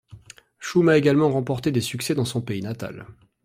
Shum a également remporté des succès dans son pays natal.